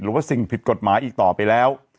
หรือว่าสิ่งผิดกฎหมายอีกต่อไปแล้ว